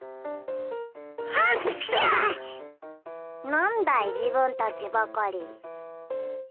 なんだい自分たちばかり。